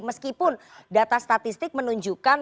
meskipun data statistik menunjukkan